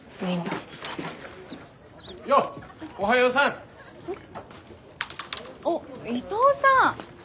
あっ伊藤さん！